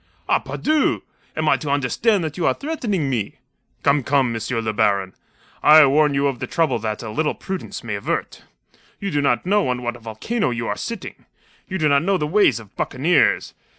"Ah, pardieu! Am I to understand that you are threatening me?" "Come, come, M. le Baron! I warn you of the trouble that a little prudence may avert. You do not know on what a volcano you are sitting. You do not know the ways of buccaneers.